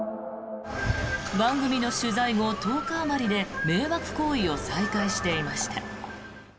番組の取材後１０日あまりで迷惑行為を再開していました。